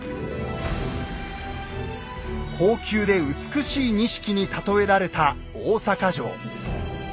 高級で美しい錦に例えられた大坂城。